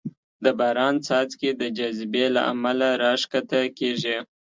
د باران څاڅکې د جاذبې له امله راښکته کېږي.